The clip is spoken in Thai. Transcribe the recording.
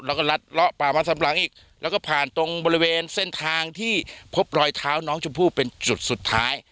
แล้วก็รัดเลาะป่ามาสำหลังอีกแล้วก็ผ่านตรงบริเวณเส้นทางที่พบรอยเท้าน้องชมพู่เป็นจุดสุดท้าย